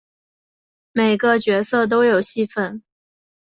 每个角色都有戏份